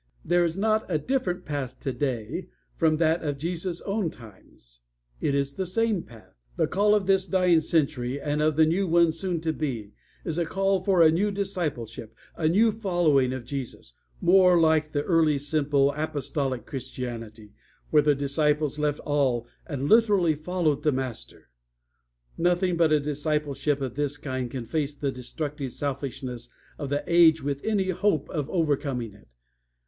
There is not a different path today from that of Jesus' own times. It is the same path. The call of this dying century and of the new one soon to be, is a call for a new discipleship, a new following of Jesus, more like the early, simple, apostolic Christianity, when the disciples left all and literally followed the Master. Nothing but a discipleship of this kind can face the destructive selfishness of the age with any hope of overcoming it.